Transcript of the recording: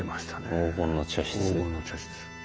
黄金の茶室。